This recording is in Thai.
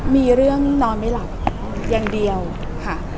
มีเรื่องนอนไม่หลับอย่างเดียวค่ะ